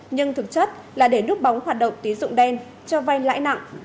nhưng thực chất là để núp bóng hoạt động tín dụng đen cho vay lãi nặng